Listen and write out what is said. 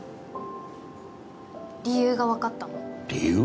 理由が分かったの理由？